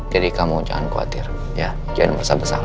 jadi kamu jangan khawatir ya jangan merasa bersalah